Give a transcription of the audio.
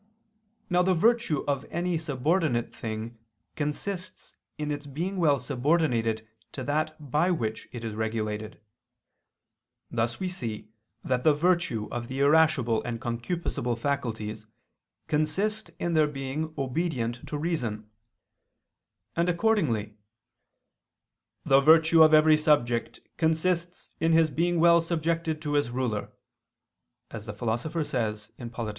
Now the virtue of any subordinate thing consists in its being well subordinated to that by which it is regulated: thus we see that the virtue of the irascible and concupiscible faculties consists in their being obedient to reason; and accordingly "the virtue of every subject consists in his being well subjected to his ruler," as the Philosopher says (Polit.